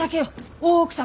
大奥様。